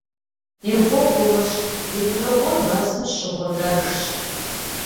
И гугъу умыщӀ, итырыгъур мэзым щыгъунэжщ».